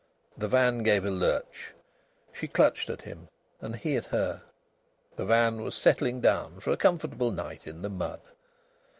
The van gave a lurch. She clutched at him and he at her. The van was settling down for a comfortable night in the mud.